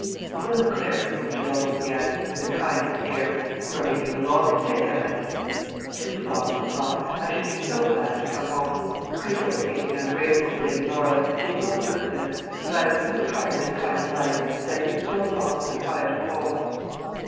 "Well, Clary," Mr. Lovel began, with his kindest air, "you are making a long stay of it." "Too long, papa. I should be so glad to come home. Pray don't think me ungrateful to Lady Laura, she is all goodness; but I am so tired of this kind of life, and I do so long for the quiet of home."